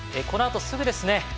このあとすぐですね。